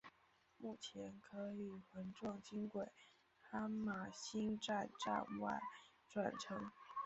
目前可与环状轻轨哈玛星站站外转乘。